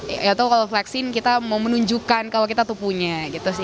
ya tau kalau vaksin kita mau menunjukkan kalau kita tuh punya gitu sih